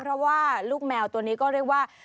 เพราะว่าลูกแมวตัวนี้ก็เรียกว่า